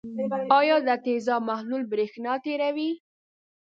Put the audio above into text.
آیا د تیزاب محلول برېښنا تیروي؟